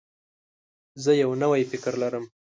زه یو نوی فکر لرم.